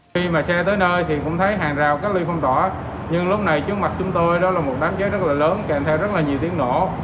khi mà xe tới nơi thì cũng thấy hàng rào các ly phong tỏa nhưng lúc này trước mặt chúng tôi đó là một đám cháy rất là lớn càng theo rất là nhiều tiếng nổ